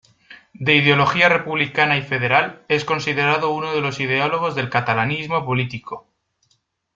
De ideología republicana y federal, es considerado uno de los ideólogos del catalanismo político.